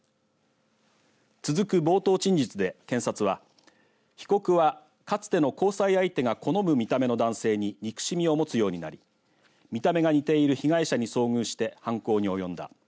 続く冒頭陳述で検察は被告はかつての交際相手が好む見た目の男性に憎しみを持つようになり見た目が似ている被害者に遭遇して犯行に及んだ。